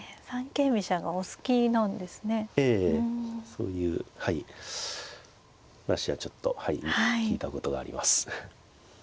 そういうはい話はちょっと聞いたことがあります。